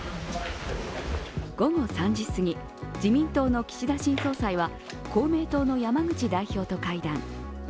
午後３時すぎ、自民党の岸田新総裁は公明党の山口代表と会談。